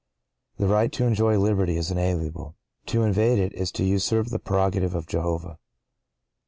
(¶ 14) The right to enjoy liberty is inalienable. To invade it, is to usurp the prerogative of Jehovah.